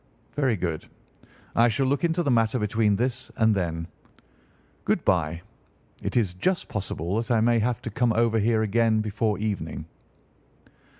"Very good. I shall look into the matter between this and then. Good bye; it is just possible that I may have to come over here again before evening."